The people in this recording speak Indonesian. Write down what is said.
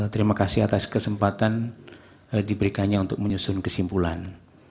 terima kasih atas kesempatan diberikannya untuk menyusun kesimpulan